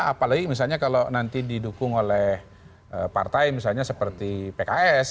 apalagi misalnya kalau nanti didukung oleh partai misalnya seperti pks